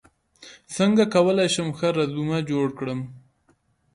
څنګه کولی شم ښه رزومه جوړ کړم